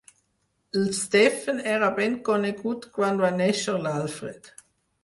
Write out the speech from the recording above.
L'Stephen era ben conegut quan va néixer l'Alfred.